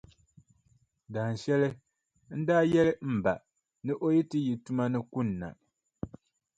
Dahinshɛli, n daa yɛli m ba, ni o yi ti yi tuma ni kunna,